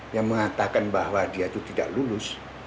yang mengatakan bahwa dia itu tidak lulus